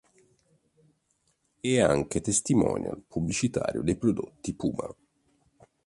È anche testimonial pubblicitario dei prodotti Puma.